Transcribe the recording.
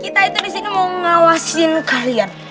kita itu disini mau ngawasin kalian